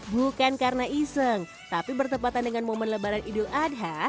bukan karena iseng tapi bertepatan dengan momen lebaran idul adha